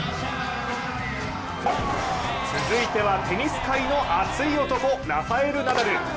続いてはテニス界の熱い男ラファエル・ナダル。